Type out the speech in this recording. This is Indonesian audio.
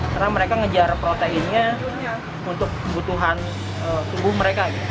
karena mereka ngejar proteinnya untuk kebutuhan tubuh mereka